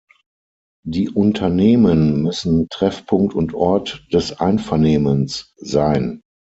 Die Unternehmen müssen Treffpunkt und Ort des Einvernehmens sein.